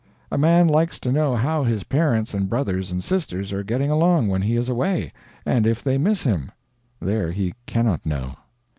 A man likes to know how his parents and brothers and sisters are getting along when he is away, and if they miss him there he cannot know.